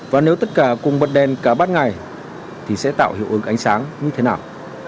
và nếu tất cả cùng bật đèn cả bắt ngày thì sẽ tạo hiệu ứng ánh sáng như thế nào